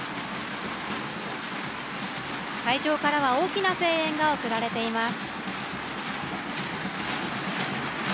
会場からは大きな声援が送られています。